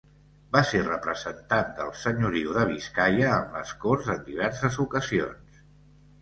Va ser representant del senyoriu de Biscaia en les Corts en diverses ocasions.